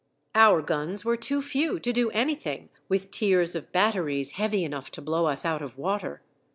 Our guns were too few to do anything with tiers of batteries heavy enough to blow us out of water.